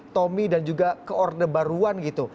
tommy dan juga ke orde baruan gitu